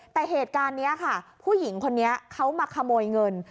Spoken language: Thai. แต่เหตุการณ์นี้ค่ะผู้หญิงคนนี้เขามาขโมยเงิน